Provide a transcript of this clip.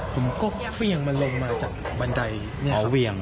ผมก็เวี่ยงมันลงมาจากบันไดเนี่ยครับ